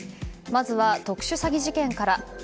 まずは特殊詐欺事件から。